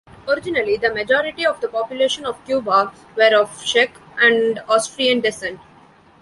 Originally the majority of the population of Cuba were of Czech and Austrian descent.